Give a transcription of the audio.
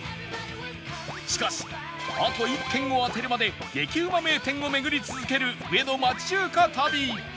しかしあと１軒を当てるまで激うま名店を巡り続ける上野町中華旅